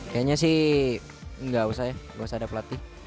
kayaknya sih gak usah ya gak usah ada pelatih